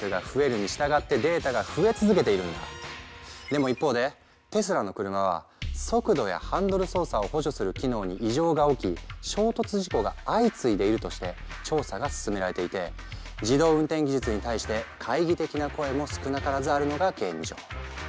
でも一方でテスラの車は速度やハンドル操作を補助する機能に異常が起き衝突事故が相次いでいるとして調査が進められていて自動運転技術に対して懐疑的な声も少なからずあるのが現状。